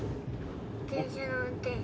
電車の運転士。